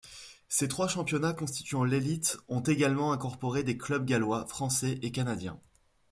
Ces trois championnats constituant l'élite ont également incorporé des clubs gallois, français et canadiens.